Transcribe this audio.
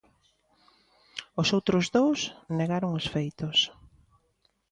Os outros dous negaron os feitos.